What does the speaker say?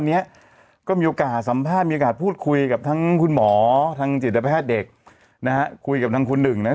นี่ชีวิตชั้นเป็นคนข่าวอย่างนี้เลย